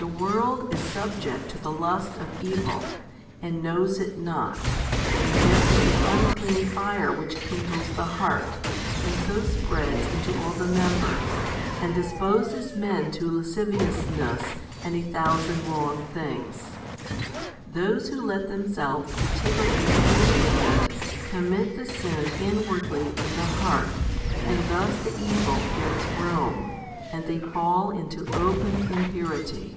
50. The world is subject to the lust of evil, and knows it not, and there is an unclean fire which kindles the heart, and so spreads into all the members, and disposes men to lasciviousness and a thousand wrong things. Those who let themselves be tickled and pleased with it commit the sin inwardly in the heart, and thus the evil gets room, and they fall into open impurity.